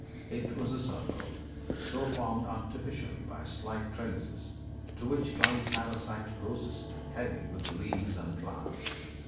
It was a circle, so formed artificially by slight trellises, to which clung parasite roses heavy with leaves and flowers.